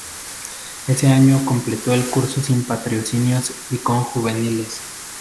Ese año completó el curso sin patrocinios y con juveniles.